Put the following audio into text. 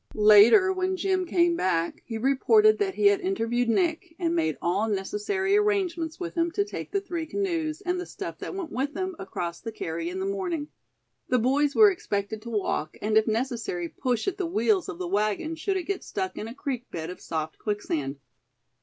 Later, when Jim came back, he reported that he had interviewed Nick, and made all necessary arrangements with him to take the three canoes, and the stuff that went with them, across the carry in the morning. The boys were expected to walk and if necessary push at the wheels of the wagon, should it get stuck in a creek bed of soft quicksand.